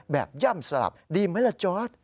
ย่ำสลับดีไหมล่ะจอร์ด